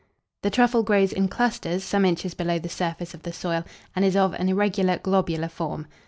The Truffle grows in clusters, some inches below the surface of the soil, and is of an irregular globular form.